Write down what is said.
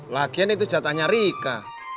lagian itu jatahnya rika